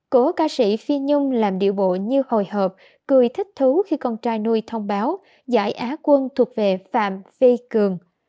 cố ca sĩ phi nhung làm điệu bộ như hồi hộp cười thích thú khi con trai nuôi thông báo giải á quân thuộc về phạm vi cường